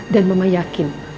dan mama yakin